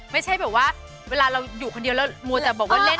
ไม่ใช่แบบว่าเวลาเราอยู่คนเดียวแล้วมัวแต่บอกว่าเล่น